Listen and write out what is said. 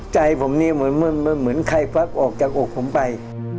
ใจผมนี่เหมือนใครพวักออกจากอกผมไป